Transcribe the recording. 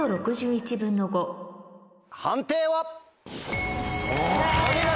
判定は⁉お見事！